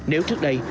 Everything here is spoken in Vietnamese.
nếu trước đây